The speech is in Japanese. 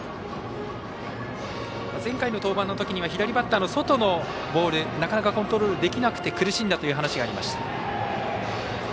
前回の登板のときには左バッターの外のボールなかなかコントロールできなくて苦しんだという話がありました。